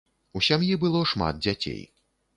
У сям'і было шмат дзяцей.